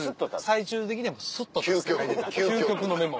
最終的にはスッと立つ究極のメモ。